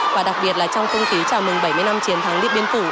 và đặc biệt là trong công ký chào mừng bảy mươi năm chiến thắng điện biên phủ